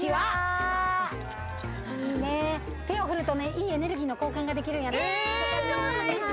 手を振ると、いいエネルギーの交換ができるんやで。